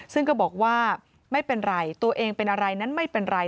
ซึ่งก็บอกว่าไม่เป็นไรตัวเองเป็นอะไรนั้นไม่เป็นไร